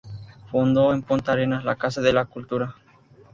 Fundó en Punta Arenas la Casa de la Cultura.